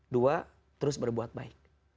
dua terus berbuat baik